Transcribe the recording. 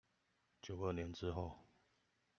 九二年之後